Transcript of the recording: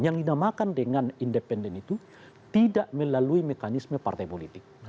yang dinamakan dengan independen itu tidak melalui mekanisme partai politik